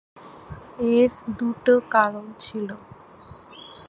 এর দুটো কারণ ছিল।